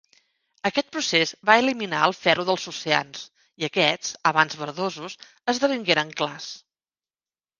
Aquest procés va eliminar el ferro dels oceans, i aquests, abans verdosos, esdevingueren clars.